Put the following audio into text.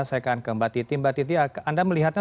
saya akan ke mbak titi mbak titi anda melihatnya